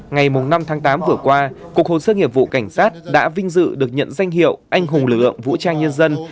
ngày năm tháng tám vừa qua cục hồ sơ nghiệp vụ cảnh sát đã vinh dự được nhận danh hiệu anh hùng lực lượng vũ trang nhân dân